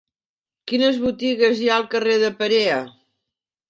Quines botigues hi ha al carrer de Perea?